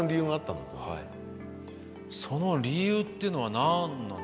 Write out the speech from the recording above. その理由っていうのは何なんですかね。